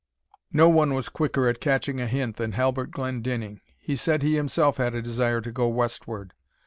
No one was quicker at catching a hint than Halbert Glendinning. He said he himself had a desire to go westward.